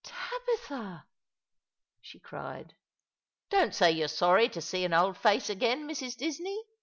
"Tabitha!" she cried. "Don't say you're sorry to see an old face again, Mrs. Disney.